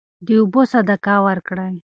د اوبو صدقه ورکړئ.